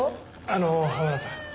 あの濱田さん